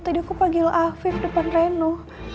tadi aku panggil afif depan reno